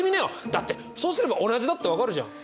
だってそうすれば同じだって分かるじゃん。